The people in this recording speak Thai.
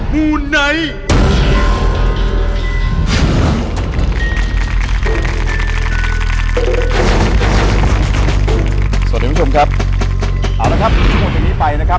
สวัสดีคุณผู้ชมครับเอาละครับชั่วโมงจากนี้ไปนะครับ